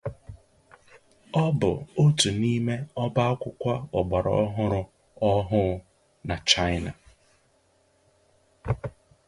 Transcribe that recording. Ọ bụ otu n'ime Ọbá akwụkwọ ọgbara ọhụrụ ọhụụ na China.